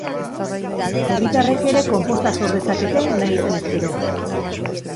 Herritarrek ere konposta sor dezakete, nahi izanez gero.